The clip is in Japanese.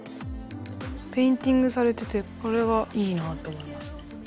ペインティングされててこれはいいなと思います。